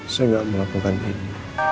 saya tidak melakukan ini